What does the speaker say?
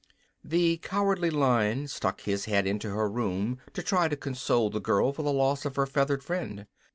The Cowardly Lion stuck his head into her room to try to console the girl for the loss of her feathered friend.